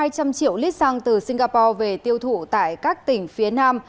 hai trăm linh triệu lít xăng từ singapore về tiêu thụ tại các tỉnh phía nam